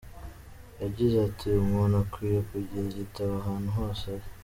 Yagize ati “Umuntu akwiye kugira igitabo ahantu hose ari.